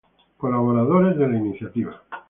Colaboradores de la iniciativa